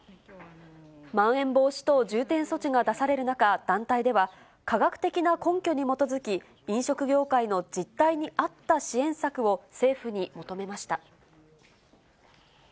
まん延防止等重点措置が出される中、団体では、科学的な根拠に基づき、飲食業界の実態に合った支援策を政府に求めました。